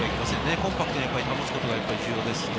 コンパクトに守ることが重要ですね。